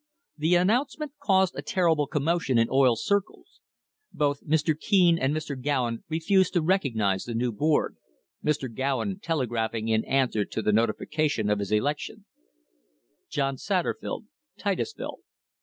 The announcement caused a terrible commotion in oil circles. Both Mr. Keene and Mr. Gowen refused to recognise the new board, Mr. Gowen telegraphing in answer to the noti fication of his election : JOHN SATTERFIELD, Titusville.